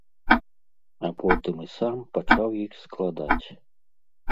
А потым і сам пачаў іх складаць.